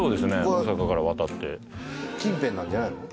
大阪から渡って近辺なんじゃないの？